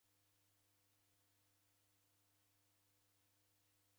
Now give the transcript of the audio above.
Ndew'isimie misarigho ringi.